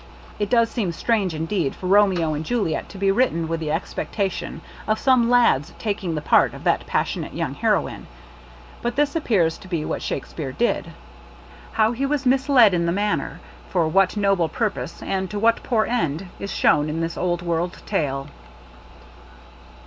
It does seem strange indeed for Romeo and Juliet to be writ ten with the expectation of some lad's taking the part of that passionate young heroine. But this appears to be what Shakspere did. How he was misled in the matter, for what noble purpose and to what poor end, is shown in this old world tale.